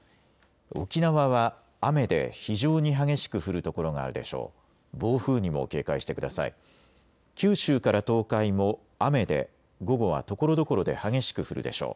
沖縄は雨で非常に激しく降る所があるでしょう。